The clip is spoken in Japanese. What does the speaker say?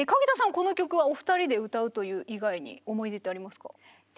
この曲はお二人で歌うという以外に思い出ってありますか？